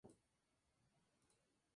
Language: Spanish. Su cuerpo está sepultado allí.